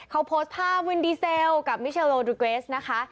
เขาโพสต์ภาพวินดีเซลกับมิเชลโลดูเกรสนะคะ